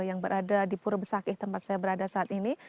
yang berada di pur besakih tempat saya berada saat ini